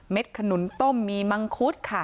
ขนุนต้มมีมังคุดค่ะ